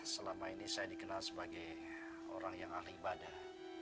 selama ini saya dikenal sebagai orang yang ahli ibadah